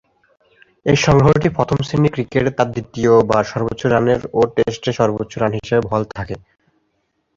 এ সংগ্রহটি প্রথম-শ্রেণীর ক্রিকেটে তার দ্বিতীয়বার সর্বোচ্চ রানের ও টেস্টে সর্বোচ্চ রান হিসেবে বহাল থাকে।